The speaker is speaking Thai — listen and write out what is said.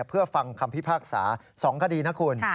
เพื่อฟังคำพิพากษา๒คดีนะคุณ